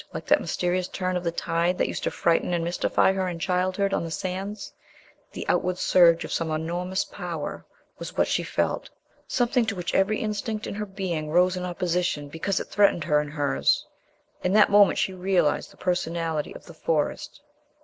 like that mysterious turn of the tide that used to frighten and mystify her in childhood on the sands. The outward surge of some enormous Power was what she felt... something to which every instinct in her being rose in opposition because it threatened her and hers. In that moment she realized the Personality of the Forest...